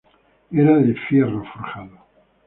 Era de fierro forjado.